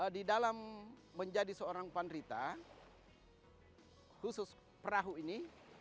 di dalam menjadi seorang pan rita khusus perahu ini